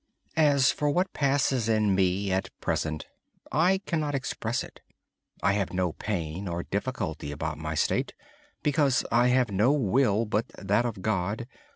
As for what passes in me at present, I cannot express it. I have no pain or difficulty about my state because I have no will but that of God.